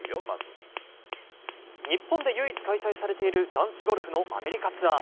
日本で唯一開催されている男子ゴルフのアメリカツアー。